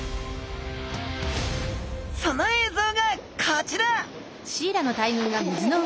その映像がこちら！